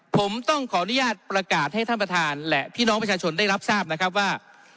ผมต้องขออนุญาตประกาศให้ท่านประธานและพี่น้องประชาชนได้รับทราบนะครับว่า